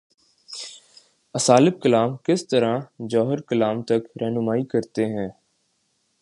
اسالیب کلام کس طرح جوہرکلام تک راہنمائی کرتے ہیں؟